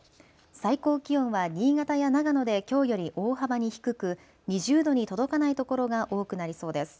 最高気温は新潟や長野できょうより大幅に低く２０度に届かない所が多くなりそうです。